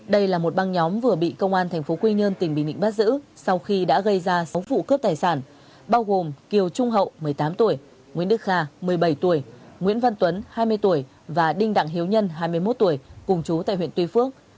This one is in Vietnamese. đây là một băng nhóm vừa bị công an tp quy nhơn tỉnh bình định bắt giữ sau khi đã gây ra sáu vụ cướp tài sản bao gồm kiều trung hậu một mươi tám tuổi nguyễn đức kha một mươi bảy tuổi nguyễn văn tuấn hai mươi tuổi và đinh đặng hiếu nhân hai mươi một tuổi cùng chú tại huyện tuy phước